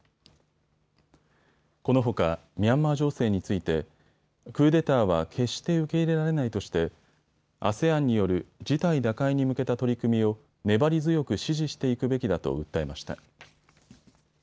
このほかミャンマー情勢についてクーデターは決して受け入れられないとしてＡＳＥＡＮによる事態打開に向けた取り組みを粘り強く支持していくべきだと訴えました。